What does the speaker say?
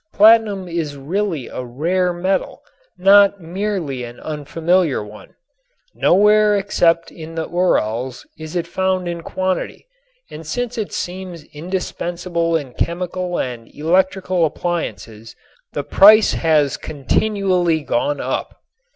Platinum is really a "rare metal," not merely an unfamiliar one. Nowhere except in the Urals is it found in quantity, and since it seems indispensable in chemical and electrical appliances, the price has continually gone up.